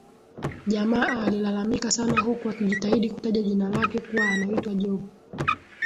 Jamaa alilalamika sana huku akijitahidi kutaja jina lake kuwa anaitwa Job